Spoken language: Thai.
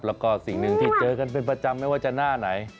แล้วก็สิ่งหนึ่งที่เจอกันเป็นประจำไม่ว่าจะหน้าไหน